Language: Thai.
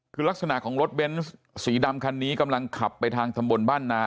คือลักษณะของรถเบนส์สีดำคันนี้กำลังขับไปทางตำบลบ้านนา